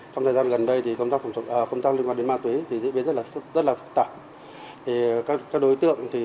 các đối tượng thì